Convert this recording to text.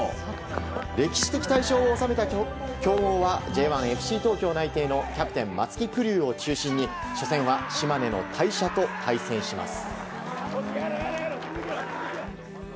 歴史的大勝を収めた強豪はＪ１、ＦＣ東京内定のキャプテン松木玖生を中心に初戦は島根の大社と対戦します。